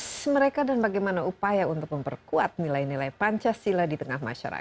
proses mereka dan bagaimana upaya untuk memperkuat nilai nilai pancasila di tengah masyarakat